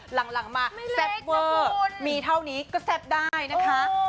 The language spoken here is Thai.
หลังมาแซ่บเวอร์มีเท่านี้ก็แซ่บได้นะคะ